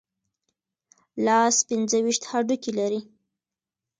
لاس پنځه ویشت هډوکي لري.